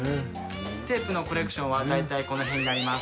テープのコレクションは大体この辺になります。